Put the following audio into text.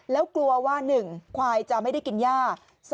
แล้วกลัวว่า๑ควายจะไม่ได้กินย่า